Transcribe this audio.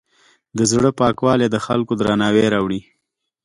د زړۀ پاکوالی د خلکو درناوی راوړي.